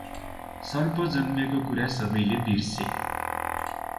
सर्प जन्मेको कुरा सबैले बिर्से ।